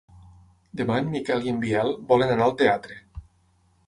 Demà en Miquel i en Biel volen anar al teatre.